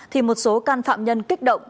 thì một số can phạm nhân kích động